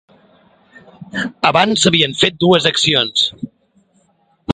Abans s’havien fet dues accions.